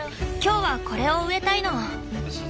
今日はこれを植えたいの！